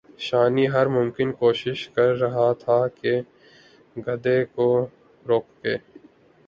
شانی ہر ممکن کوشش کر رہا تھا کہ گدھے کو روکے